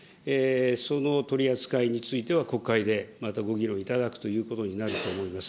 その取り扱いについては、国会でまたご議論いただくということになると思います。